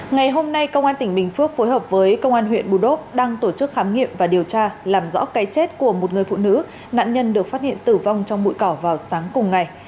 ngày hôm nay công an tỉnh bình phước phối hợp với công an huyện bù đốp đang tổ chức khám nghiệm và điều tra làm rõ cái chết của một người phụ nữ nạn nhân được phát hiện tử vong trong bụi cỏ vào sáng cùng ngày